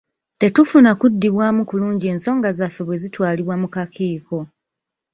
Tetufuna kuddibwamu kulungi ensonga zaffe bwe zitwalibwa mu kakiiko.